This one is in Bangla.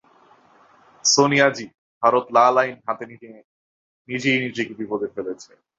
সোনিয়াজি, ভারত লাল আইন হাতে নিয়ে নিজেই নিজেকে বিপদে ফেলছে।